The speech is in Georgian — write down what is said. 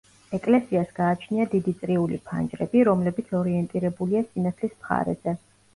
ეკლესიას გააჩნია დიდი წრიული ფანჯრები, რომლებიც ორიენტირებულია სინათლის მხარეზე.